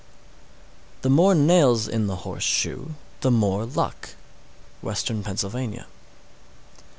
634. The more nails in the horseshoe, the more luck. _Western Pennsylvania.